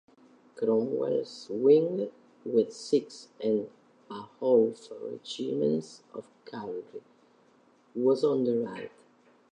Cromwell's wing, with six and a half regiments of cavalry, was on the right.